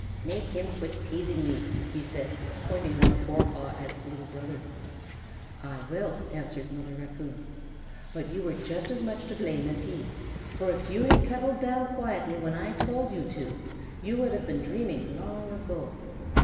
"Make him quit teasing me," he said, pointing one forepaw at Little Brother. "I will," answered Mother Raccoon; "but you were just as much to blame as he, for if you had cuddled down quietly when I told you to, you would have been dreaming long ago.